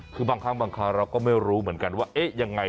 คือบางครั้งบางคราวเราก็ไม่รู้เหมือนกันว่าเอ๊ะยังไง